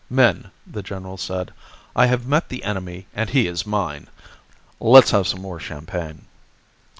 "Men," the general said, "I have met the enemy and he is mine. Let's have some more champagne."